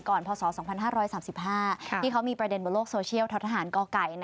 พศ๒๕๓๕ที่เขามีประเด็นบนโลกโซเชียลท้อทหารกไก่